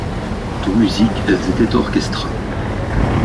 Quant aux musiques, elles étaient orchestrales.